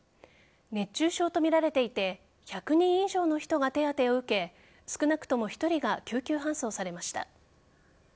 熱中症とみられていて１００人以上の人が手当てを受け少なくとも１人が救急搬送されました。